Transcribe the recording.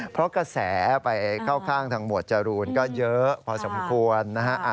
เพราะกระแสไปเข้าข้างทางหมวดจรูนก็เยอะพอสมควรนะฮะ